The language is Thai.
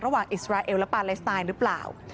อิสราเอลและปาเลสไตน์หรือเปล่า